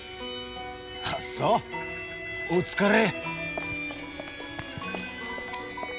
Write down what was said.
あっそうお疲れ。